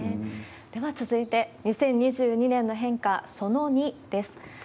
では続いて、２０２２年の変化、その２です。